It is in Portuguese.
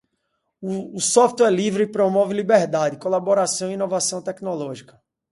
O software livre promove liberdade, colaboração e inovação tecnológica.